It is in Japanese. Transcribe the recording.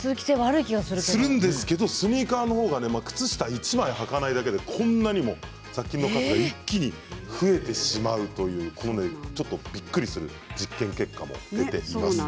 革靴のほうがスニーカーのほうが靴下１枚はかないだけでこんなに雑菌の数が増えてしまうというびっくりする実験結果です。